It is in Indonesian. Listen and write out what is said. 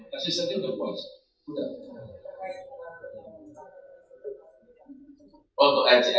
kasih sakti untuk poin